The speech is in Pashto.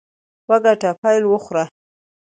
وګټه، پیل وخوره.